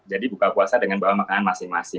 jadi buka puasa dengan bahan bahan masing masing